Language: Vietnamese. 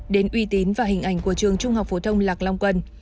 đến uy tín và hình ảnh của trường trung học phổ thông lạc long quân